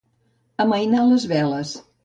Amainar les veles.